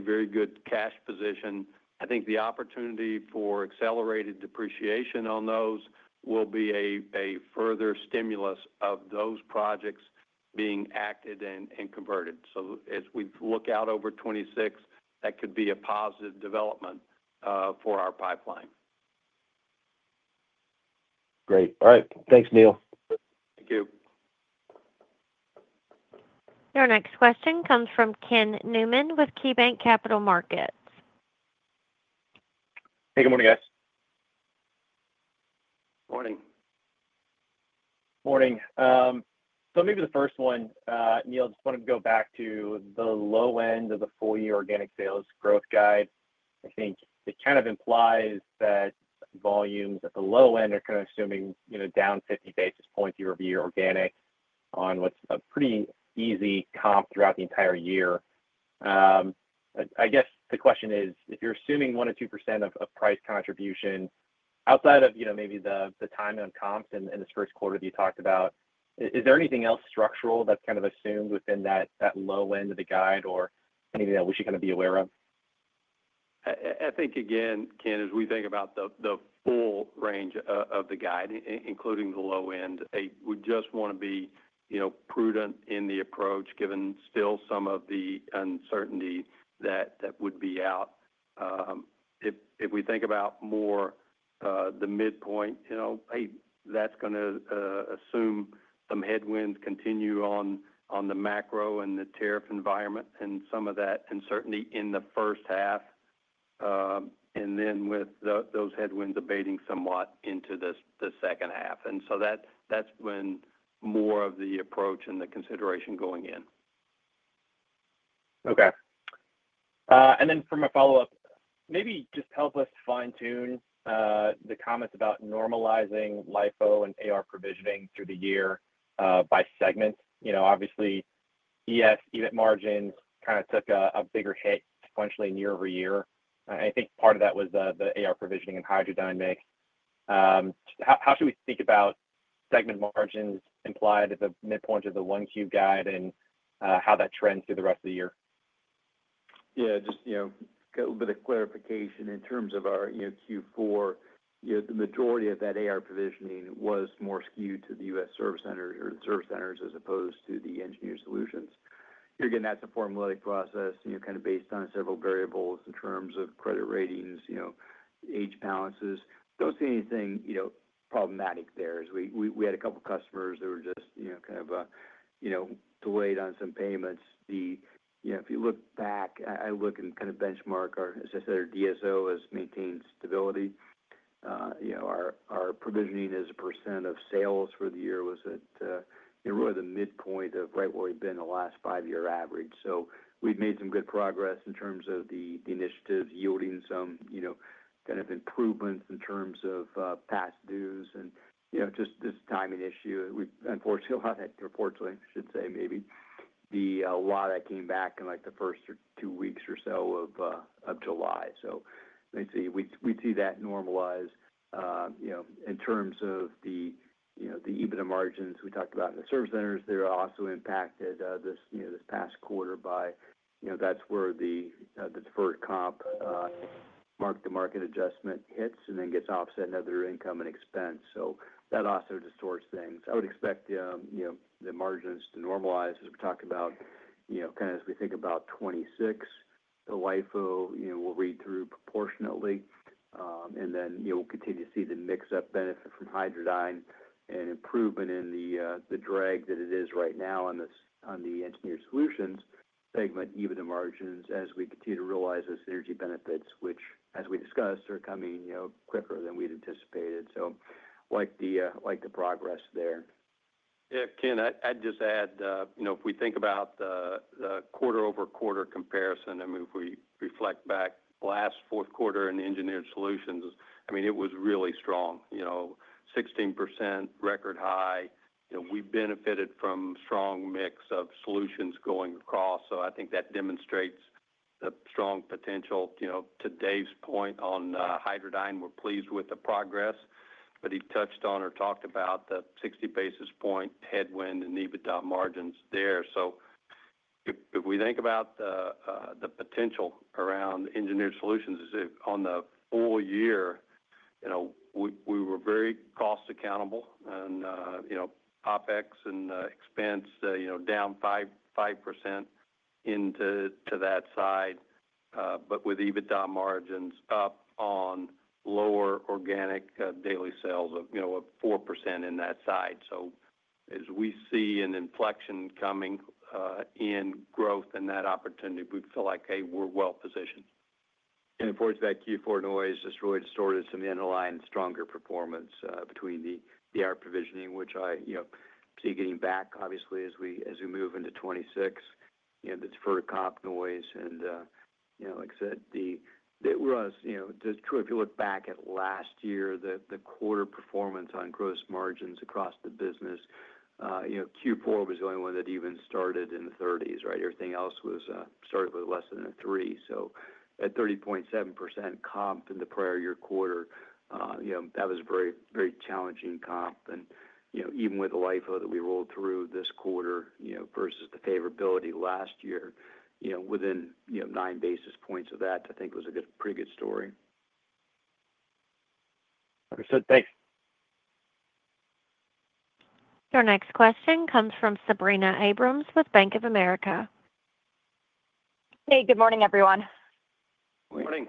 very good cash position. I think the opportunity for accelerated depreciation on those will be a further stimulus of those projects being acted and converted. As we look out over 2026, that could be a positive development for our pipeline. Great. All right. Thanks, Neil. Thank you. Your next question comes from Ken Newman with KeyBanc Capital Markets. Hey, good morning, guys. Morning. Morning. Maybe the first one, Neil, I just wanted to go back to the low end of the full-year organic sales growth guide. I think it kind of implies that volumes at the low end are kind of assuming, you know, down 50 basis points year-over-year organic on what's a pretty easy comp throughout the entire year. I guess the question is, if you're assuming 1%-2% of price contribution, outside of, you know, maybe the time on comps and the first quarter that you talked about, is there anything else structural that's kind of assumed within that low end of the guide or anything that we should kind of be aware of? I think, again, Ken, as we think about the full range of the guide, including the low end, we just want to be prudent in the approach given still some of the uncertainty that would be out. If we think about more, the midpoint, that's going to assume some headwinds continue on the macro and the tariff environment and some of that uncertainty in the first half, with those headwinds abating somewhat into the second half. That's when more of the approach and the consideration going in. Okay, and then from a follow-up, maybe just help us fine-tune the comments about normalizing LIFO and AR provisioning through the year, by segment. You know, obviously, ES unit margins kind of took a bigger hit sequentially and year-over-year. I think part of that was the AR provisioning and Hydradyne. How should we think about segment margins implied at the midpoint of the Q1 guide and how that trends through the rest of the year? Yeah, just a little bit of clarification in terms of our Q4. The majority of that AR provisioning was more skewed to the U.S. Service Centers as opposed to the Engineered Solutions segment. You're getting that to form a little process based on several variables in terms of credit ratings and age balances. Don't see anything problematic there. We had a couple of customers that were just delayed on some payments. If you look back, I look and kind of benchmark our, as I said, our DSO has maintained stability. Our provisioning as a percentage of sales for the year was at really the midpoint of right where we've been in the last five-year average. We'd made some good progress in terms of the initiatives yielding some improvements in terms of past dues and just this timing issue. Fortunately, a lot of that came back in the first two weeks or so of July. We'd see that normalize in terms of the EBITDA margins we talked about in the Service Centers. They were also impacted this past quarter by the deferred comp, market-to-market adjustment, which hits and then gets offset in other income and expense. That also distorts things. I would expect the margins to normalize as we talked about. As we think about 2026, the LIFO will read through proportionately, and then we'll continue to see the mix-up benefit from Hydradyne and improvement in the drag that it is right now on the Engineered Solutions segment EBITDA margins as we continue to realize those synergy benefits, which, as we discussed, are coming quicker than we'd anticipated. I like the progress there. Yeah, Ken, I'd just add, if we think about the quarter-over-quarter comparison, if we reflect back the last fourth quarter in the Engineered Solutions segment, it was really strong, 16% record high. We benefited from a strong mix of solutions going across. I think that demonstrates the strong potential. To Dave's point on Hydradyne, we're pleased with the progress, but he touched on or talked about the 60 basis point headwind in EBITDA margins there. If we think about the potential around engineered solutions on the full year, we were very cost accountable and OpEx and expense down 5% into that side, but with EBITDA margins up on lower organic daily sales of 4% in that side. As we see an inflection coming in growth in that opportunity, we feel like, hey, we're well positioned. It points to that Q4 noise just really distorted some of the underlying stronger performance, between the AR provisioning, which I see getting back, obviously, as we move into 2026, the deferred comp noise, and, like I said, if you look back at last year, the quarter performance on gross margins across the business, Q4 was the only one that even started in the 30s, right? Everything else started with less than a 3. At 30.7% comp in the prior year quarter, that was a very, very challenging comp. Even with the LIFO that we rolled through this quarter versus the favorability last year, within nine basis points of that, I think it was a pretty good story. Understood. Thanks. Your next question comes from Sabrina Abrams with Bank of America. Hey, good morning, everyone. Morning.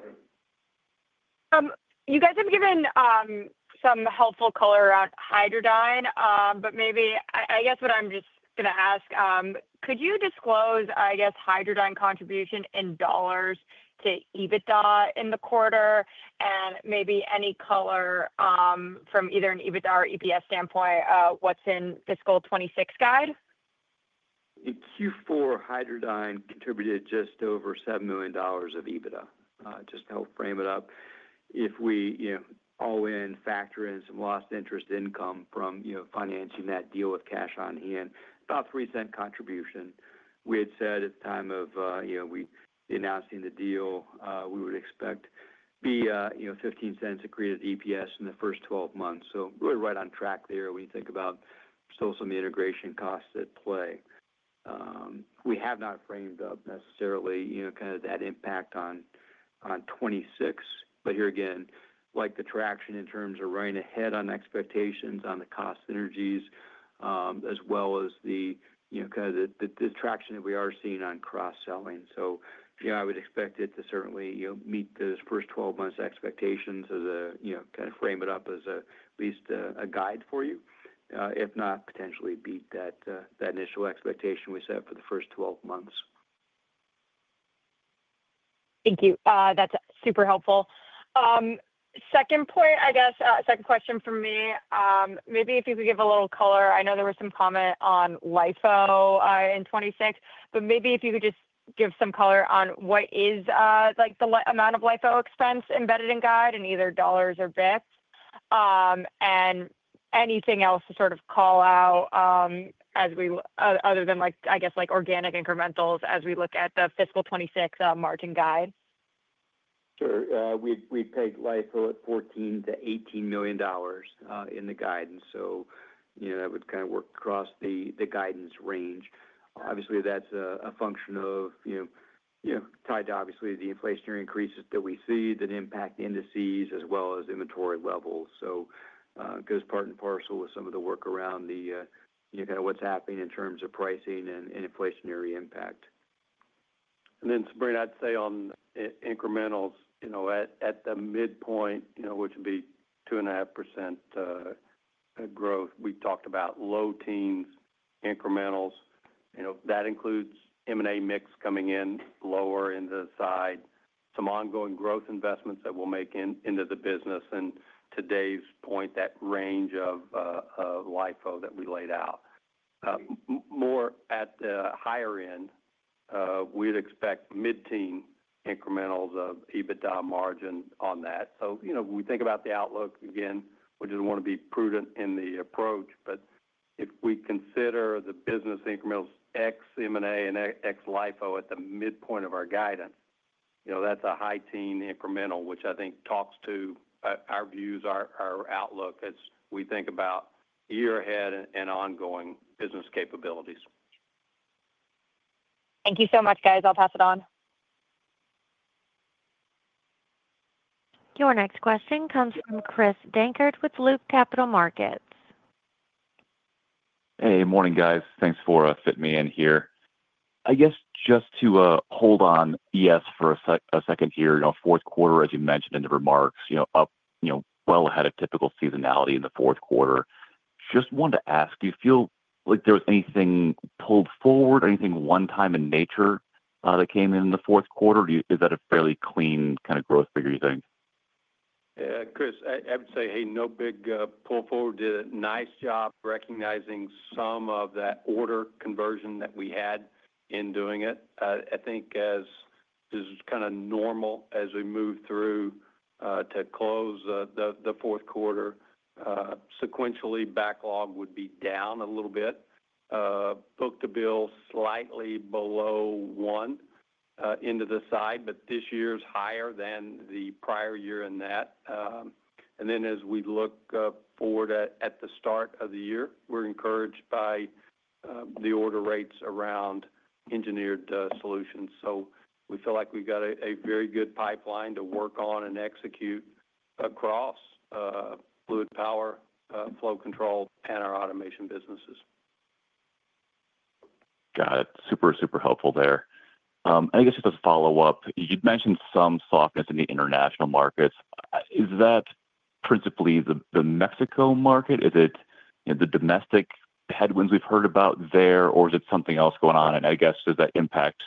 You guys have given some helpful color around Hydradyne, but maybe I guess what I'm just going to ask, could you disclose, I guess, Hydradyne contribution in dollars to EBITDA in the quarter and maybe any color, from either an EBITDA or EPS standpoint of what's in fiscal 2026 guide? In Q4, Hydradyne contributed just over $7 million of EBITDA. Just to help frame it up, if we all in factor in some lost interest income from financing that deal with cash on hand, about $0.03 contribution. We had said at the time of announcing the deal, we would expect to be $0.15 accretive EPS in the first 12 months. Really right on track there when you think about some of the integration costs at play. We have not framed up necessarily that impact on 2026, but here again, the traction in terms of running ahead on expectations on the cost synergies, as well as the traction that we are seeing on cross-selling. I would expect it to certainly meet those first 12 months' expectations as at least a guide for you, if not potentially beat that initial expectation we set for the first 12 months. Thank you. That's super helpful. Second point, I guess, second question for me, maybe if you could give a little color, I know there was some comment on LIFO in 2026, but maybe if you could just give some color on what is, like the amount of LIFO expense embedded in guide in either dollars or bps, and anything else to sort of call out as we, other than like, I guess, like organic incrementals as we look at the fiscal 2026 margin guide. Sure. We pegged LIFO at $14 million-$18 million in the guidance. That would kind of work across the guidance range. Obviously, that's a function of, you know, tied to the inflationary increases that we see that impact indices as well as inventory levels. It goes part and parcel with some of the work around what's happening in terms of pricing and inflationary impact. Sabrina, I'd say on incrementals, at the midpoint, which would be 2.5% growth, we've talked about low teens incrementals. That includes M&A mix coming in lower in the side, some ongoing growth investments that we'll make into the business, and to Dave's point, that range of LIFO that we laid out. More at the higher end, we'd expect mid-teen incrementals of EBITDA margin on that. We think about the outlook again, we just want to be prudent in the approach, but if we consider the business incrementals ex-M&A and ex-LIFO at the midpoint of our guidance, that's a high-teen incremental, which I think talks to our views, our outlook as we think about year ahead and ongoing business capabilities. Thank you so much, guys. I'll pass it on. Your next question comes from Chris Dankert with Loop Capital Markets. Hey, good morning, guys. Thanks for fitting me in here. I guess just to hold on for a second here, you know, fourth quarter, as you mentioned in the remarks, up, well ahead of typical seasonality in the fourth quarter. Just wanted to ask, do you feel like there was anything pulled forward or anything one-time in nature that came in in the fourth quarter? Or is that a fairly clean kind of growth figure, you think? Yeah, Chris, I would say, hey, no big pull forward. Did a nice job recognizing some of that order conversion that we had in doing it. I think this is kind of normal as we move through to close the fourth quarter. Sequentially, backlog would be down a little bit, book-to-bill slightly below one, into the side, but this year's higher than the prior year in that. As we look forward at the start of the year, we're encouraged by the order rates around Engineered Solutions. We feel like we've got a very good pipeline to work on and execute across fluid power, flow control, and our automation businesses. Got it. Super helpful there. I guess just a follow-up. You mentioned some softness in the international markets. Is that principally the Mexico market? Is it the domestic headwinds we've heard about there, or is it something else going on? I guess does that impact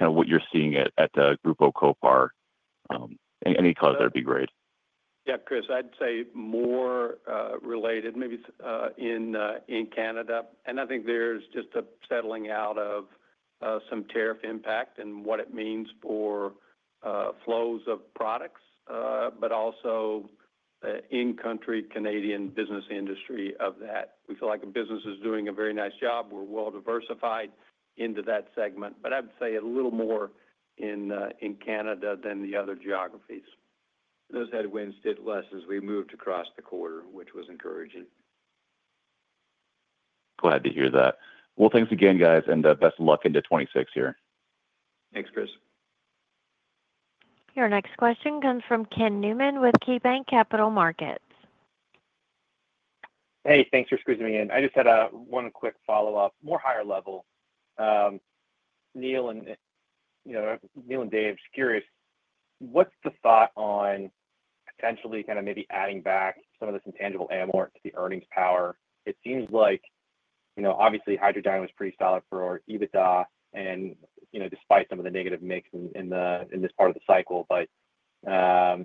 what you're seeing at Grupo Kopar? Any color there would be great. Yeah, Chris, I'd say more related maybe in Canada. I think there's just a settling out of some tariff impact and what it means for flows of products, but also in-country Canadian business industry of that. We feel like the business is doing a very nice job. We're well diversified into that segment. I would say a little more in Canada than the other geographies. Those headwinds did less as we moved across the quarter, which was encouraging. Glad to hear that. Thanks again, guys, and best of luck into 2026 here. Thanks, Chris. Your next question comes from Ken Newman with KeyBanc Capital Markets. Hey, thanks for squeezing me in. I just had one quick follow-up, more higher level. Neil and Dave, curious, what's the thought on potentially kind of maybe adding back some of this intangible amortization to the earnings power? It seems like, you know, obviously Hydradyne was pretty solid for EBITDA and, you know, despite some of the negative mix in this part of the cycle, I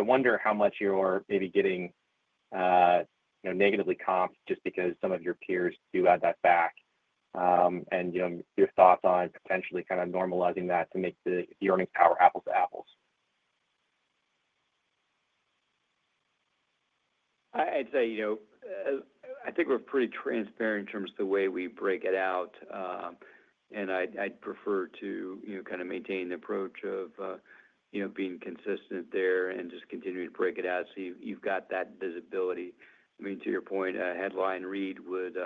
wonder how much you're maybe getting, you know, negatively comped just because some of your peers do add that back. You know, your thoughts on potentially kind of normalizing that to make the earnings power apples to apples. I'd say I think we're pretty transparent in terms of the way we break it out. I'd prefer to maintain the approach of being consistent there and just continue to break it out so you've got that visibility. To your point, a headline read would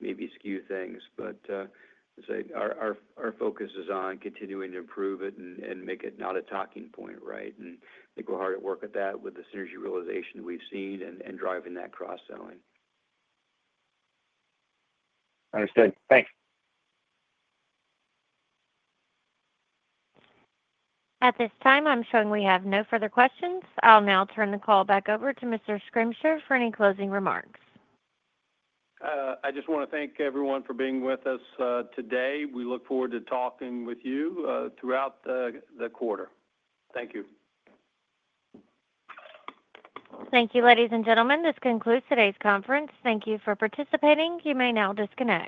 maybe skew things, but let's say our focus is on continuing to improve it and make it not a talking point, right? I think we're hard at work at that with the synergy realization that we've seen and driving that cross-selling. Understood. Thanks. At this time, I'm showing we have no further questions. I'll now turn the call back over to Mr. Schrimsher for any closing remarks. I just want to thank everyone for being with us today. We look forward to talking with you throughout the quarter. Thank you. Thank you, ladies and gentlemen. This concludes today's conference. Thank you for participating. You may now disconnect.